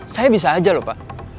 saya bisa aja lho pak